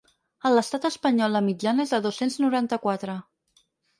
A l’estat espanyol la mitjana és de dos-cents noranta-quatre.